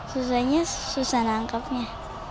susahnya susah nangkapnya